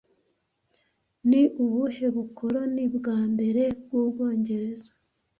Ni ubuhe bukoloni bwa mbere bw’Ubwongereza